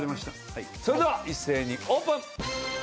それでは一斉にオープン！